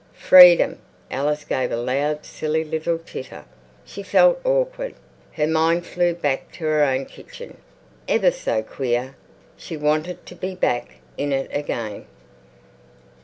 Freedom! Alice gave a loud, silly little titter. She felt awkward. Her mind flew back to her own kitching. Ever so queer! She wanted to be back in it again.